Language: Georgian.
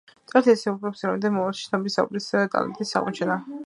წერეთელს ეკუთვნის რამდენიმე მომავალში ცნობილი საოპერო ტალანტის აღმოჩენა.